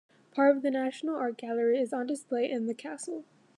Part of the National Art Gallery is on display in the castle.